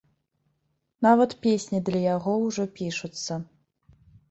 Нават песні для яго ўжо пішуцца.